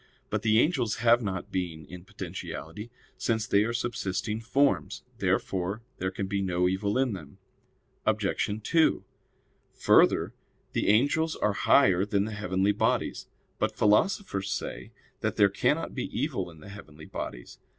But the angels have not being in potentiality, since they are subsisting forms. Therefore there can be no evil in them. Obj. 2: Further, the angels are higher than the heavenly bodies. But philosophers say that there cannot be evil in the heavenly bodies.